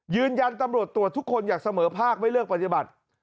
ยืนยันตำรวจตรวจทุกคนอยากเสมอภาคไม่เลือกปฏิบัติ